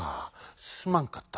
すまんかった。